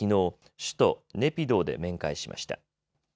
首都ネピドーで面会しました。